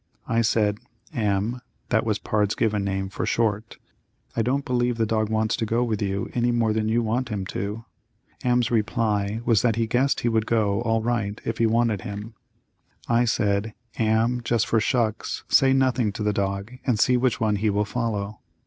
I said, Am, (that was Pard's given name, for short) I don't believe the dog wants to go with you any more than you want him to. Am's reply was that he guessed he would go all right if he wanted him. I said. Am, just for shucks, say nothing to the dog and see which one he will follow.